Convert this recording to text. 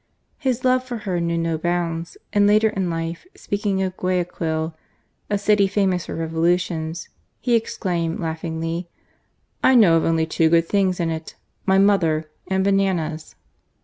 His love for her knew no bounds ; and later in life, speaking of Guayaquil (a city famous for revolu tions), he exclaimed, laughingly :" I know of only two good things in it— my mother ... and bananas